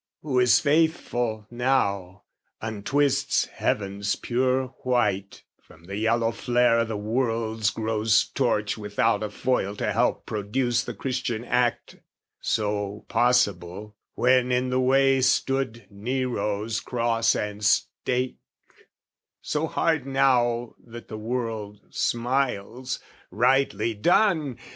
Who is faithful now, Untwists heaven's pure white from the yellow flare O' the world's gross torch, without a foil to help Produce the Christian act, so possible When in the way stood Nero's cross and stake, So hard now that the world smiles "Rightly done!